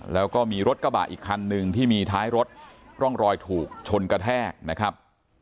แล้วก็มีรถกระบะอีกคันหนึ่งที่มีท้ายรถร่องรอยถูกชนกระแทกนะครับ